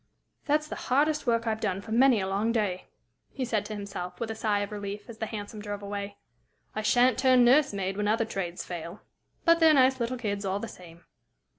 "That's the hardest work I've done for many a long day," he said to himself, with a sigh of relief, as the hansom drove away. "I sha'n't turn nurse maid when other trades fail. But they're nice little kids all the same.